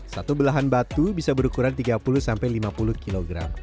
satu belahan batu bisa berukuran tiga puluh sampai lima puluh kg